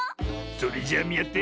それじゃあみあって。